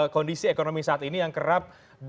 kondisi ekonomi saat ini yang kerap